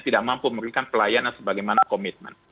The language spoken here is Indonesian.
tidak mampu memberikan pelayanan sebagaimana komitmen